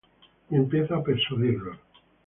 Y empieza a persuadirlos